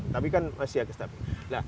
tapi kan masih agak stabil